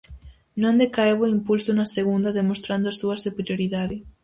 Non decaeu o impulso na segunda, demostrando a súa superioridade.